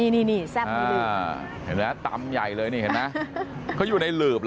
นี่แซ่บในหลืบอ่าเห็นมั้ยตำใหญ่เลยนี่เห็นมั้ยเขาอยู่ในหลืบเหรอ